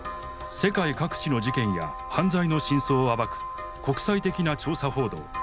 世界各地の事件や犯罪の真相を暴く国際的な調査報道。